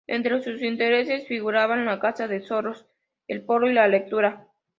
Entre sus intereses figuraban la caza de zorros, el polo y la lectura.